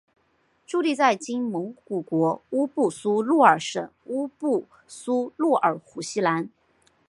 驻地在今蒙古国乌布苏诺尔省乌布苏诺尔湖西南。